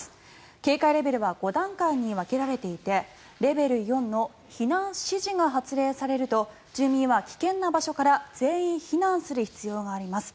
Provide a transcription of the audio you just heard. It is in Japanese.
警戒レベルは５段階に分けられていてレベル４の避難指示が発令されると住民は危険な場所から全員避難する必要があります。